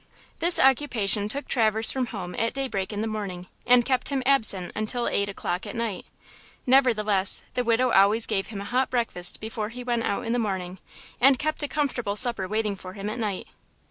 This occupation took Traverse from home at daybreak in the morning, and kept him absent until eight o'clock at night. Nevertheless, the widow always gave him a hot breakfast before he went out in the morning and kept a comfortable supper waiting for him at night.